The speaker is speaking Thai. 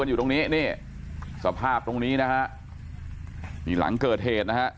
อยู่ตรงนี้นี่สภาพตรงนี้นะฮะนี่หลังเกิดเหตุนะฮะ